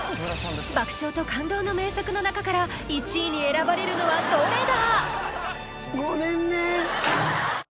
爆笑と感動の名作の中から１位に選ばれるのはどれだ？